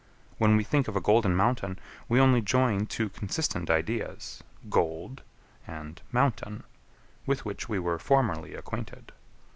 When we think of a golden mountain, we only join two consistent ideas, gold, and mountain, with which we were formerly acquainted.